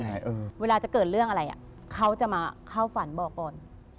อเรนนี่เวลาจะเกิดเรื่องอะไรเขาจะมาเข้าฝันบอกก่อน